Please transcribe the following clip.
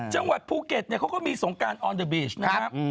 จังหวัดภูเก็ตเขาก็มีสงการออนเดอร์บีชนะครับ